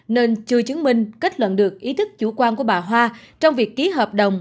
nên chưa chứng minh kết luận được ý thức chủ quan của bà hoa trong việc ký hợp đồng